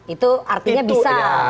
itu artinya bisa